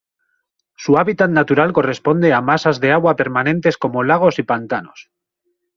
Su hábitat natural corresponde a masas de agua permanentes como lagos y pantanos.